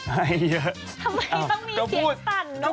ให้เยอะ